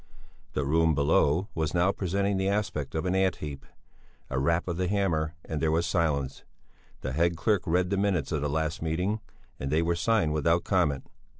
The room below was now presenting the aspect of an ant heap. A rap of the hammer and there was silence. The head clerk read the minutes of the last meeting, and they were signed without comment.